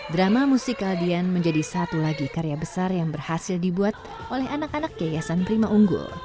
drama musikal dian menjadi satu lagi karya besar yang berhasil dibuat oleh anak anak yayasan prima unggul